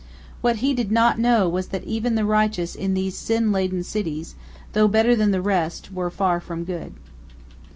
What he did not know was that even the righteous in these sin laden cities, though better than the rest, were far from good.